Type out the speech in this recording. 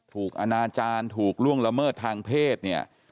อนาจารย์ถูกล่วงละเมิดทางเพศเนี่ย